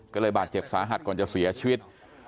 ก็เลยบาดเจ็บสาหัสก่อนจะเสียชีวิต